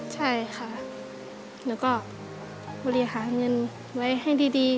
ใช่ค่ะหนูก็บริหารเงินไว้ให้ดี